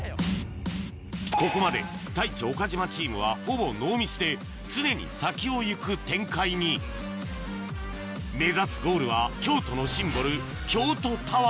ここまで太一・岡島チームはほぼノーミスで常に先を行く展開に目指すゴールは京都のシンボル